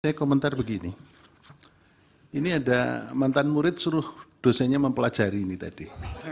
saya komentar begini ini ada mantan murid suruh dosennya mempelajari ini tadi